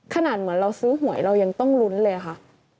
ขนาดเหมือนเราซื้อหวยเรายังต้องลุ้นเลยค่ะ